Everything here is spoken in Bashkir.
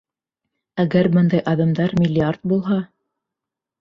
Әгәр бындай аҙымдар миллиард булһа?..